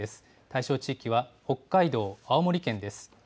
対象地域は北海道、青森県です。